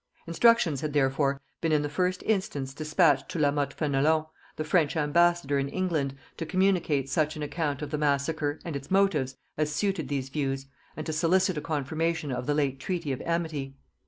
Instructions had therefore been in the first instance dispatched to La Mothe Fenelon, the French ambassador in England, to communicate such an account of the massacre and its motives as suited these views, and to solicit a confirmation of the late treaty of amity.